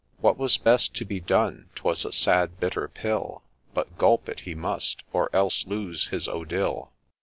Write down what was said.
What was best to be done — 'twas a sad bitter pill — But gulp it he must, or else lose his Odille.